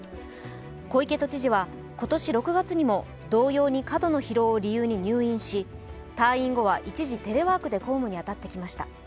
小池都知事は今年６月にも同様に過度の疲労を理由に入院し、退院後は一時、テレワークで公務に当たってきました。